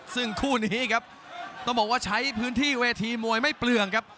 ซึ่งคู่นี้ครับต้องบอกว่าใช้พื้นที่เวทีมวยไม่เปลืองครับ